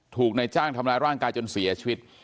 นายจ้างทำร้ายร่างกายจนเสียชีวิต